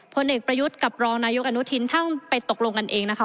ผลเอกประยุทธ์กับรองนายกอนุทินท่านไปตกลงกันเองนะคะ